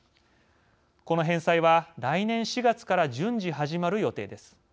この返済は来年４月から順次、始まる予定です。